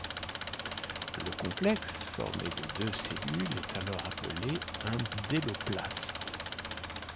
Le complexe formé de deux cellules est alors appelé un bdelloplaste.